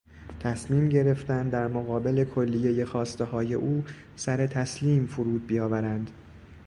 تصمیم گرفتند در مقابل کلیهی خواستههای او سر تسلیم فرود بیاورند.